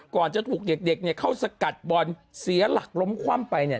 ก่อนจะถูกเด็กเขาสกัดบอลเสียหลักล้มคว่ำไป